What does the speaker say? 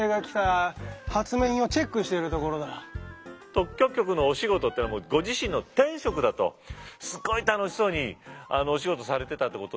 特許局のお仕事ってのはご自身の天職だとすごい楽しそうにお仕事されてたってことですけど。